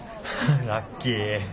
ラッキー。